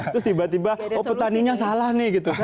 terus tiba tiba oh petaninya salah nih gitu